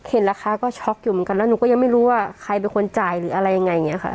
เห็นราคาก็ช็อกอยู่เหมือนกันแล้วหนูก็ยังไม่รู้ว่าใครเป็นคนจ่ายหรืออะไรยังไงอย่างนี้ค่ะ